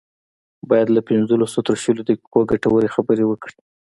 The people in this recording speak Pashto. بايد له پنځلسو تر شلو دقيقو ګټورې خبرې وکړي.